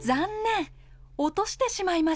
落としてしまいました。